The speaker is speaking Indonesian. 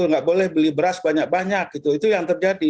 nggak boleh beli beras banyak banyak gitu itu yang terjadi